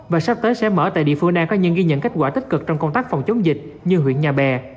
và sắp tới sẽ mở tại địa phương đang có những ghi nhận kết quả tích cực trong công tác phòng chống dịch như huyện nhà bè